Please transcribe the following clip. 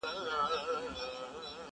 • فکرونه ورو ورو پراخېږي ډېر,